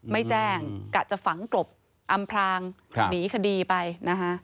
ไม่แจ้งกะจะฝังกลบอำพรางหนีคดีไปนะคะ